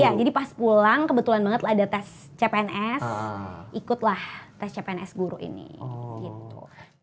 iya jadi pas pulang kebetulan banget ada tes cpns ikutlah tes cpns guru ini gitu